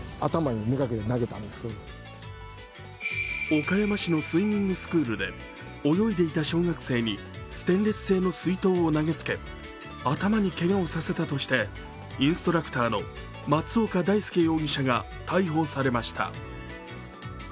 岡山市のスイミングスクールで泳いでいた小学生にステンレス製の水筒を投げつけ頭にけがをさせたとしてインストラクターの松岡大右容疑者が逮捕されました。